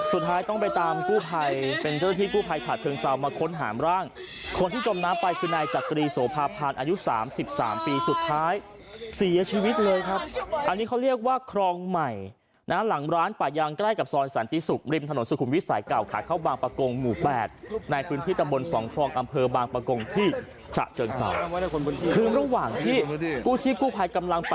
สุดท้ายต้องไปตามกู้ภัยเป็นเจ้าที่กู้ภัยชาติเชิงซาวมาค้นหามร่างคนที่จมน้ำไปคือในจักรีโสภาพันธ์อายุสามสิบสามปีสุดท้ายเสียชีวิตเลยครับอันนี้เขาเรียกว่าครองใหม่นะฮะหลังร้านปะยางใกล้กับซอยสันติศุกริมถนนสุขุมวิสัยเก่าขาดเข้าบางประกงหมู่แปดในพื้นที่ตำบลสองพรองอำเภ